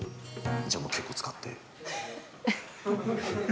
じゃあ、もう結構使って？